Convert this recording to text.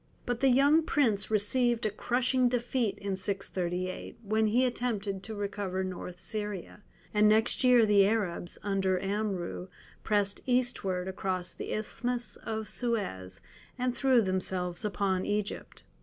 But the young prince received a crushing defeat in 638, when he attempted to recover North Syria, and next year the Arabs, under Amrou, pressed eastward across the Isthmus of Suez, and threw themselves upon Egypt.